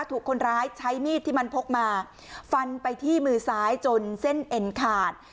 ถูกคนร้ายใช้มีดที่มันพกมาฟันไปที่มือซ้ายจนเส้นเอ็นขาด